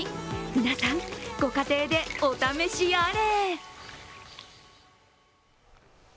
皆さん、ご家庭でお試しあれ！